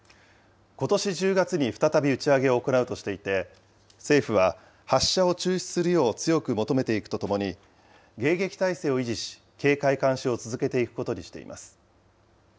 ことし１０月に再び打ち上げを行うとしていて、政府は発射を中止するよう強く求めていくとともに、迎撃態勢を維持し、警戒監視を続けていくことにしています。